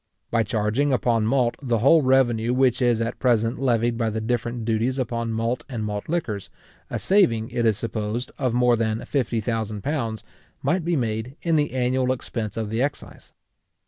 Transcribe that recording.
By charging upon malt the whole revenue which is at present levied by the different duties upon malt and malt liquors, a saving, it is supposed, of more than £50,000, might be made in the annual expense of the excise.